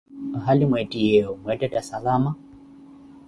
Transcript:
ohali mwettiyeewo mweettetta salama?